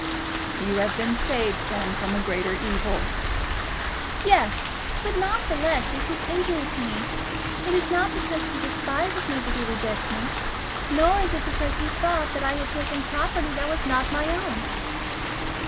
"You have been saved, then, from a greater evil." "Yes; but not the less is his injury to me. It is not because he despises me that he rejects me; nor is it because he thought that I had taken property that was not my own."